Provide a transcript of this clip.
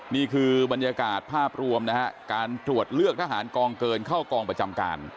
นี่คือบรรยากาศภาพรวมนะฮะการตรวจเลือกทหารกองเกินเข้ากองประจำการ